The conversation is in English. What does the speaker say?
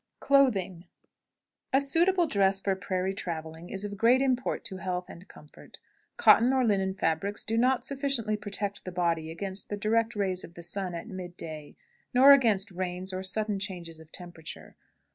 CLOTHING. A suitable dress for prairie traveling is of great import to health and comfort. Cotton or linen fabrics do not sufficiently protect the body against the direct rays of the sun at midday, nor against rains or sudden changes of temperature.